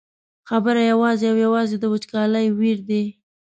خبره یوازې او یوازې د وچکالۍ ویر دی.